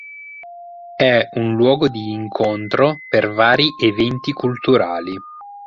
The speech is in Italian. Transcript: È un luogo di incontro per vari eventi culturali.